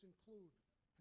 ketiga perjalanan mudik